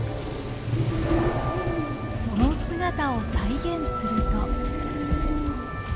その姿を再現すると。